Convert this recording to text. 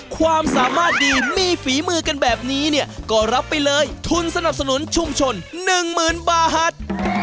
ความสามารถดีมีฝีมือกันแบบนี้เนี่ยก็รับไปเลยทุนสนับสนุนชุมชน๑๐๐๐บาท